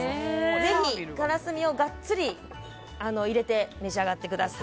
ぜひからすみをガッツリ入れて召し上がってください。